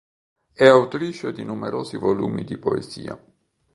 È autrice di numerosi volumi di poesia.